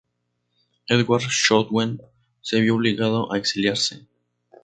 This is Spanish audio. Edward Snowden se vio obligado a exiliarse.